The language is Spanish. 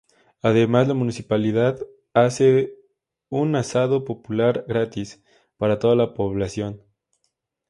Además la municipalidad hace un asado popular gratis, para toda la población.